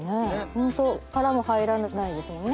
ホント殻も入らないですもんね。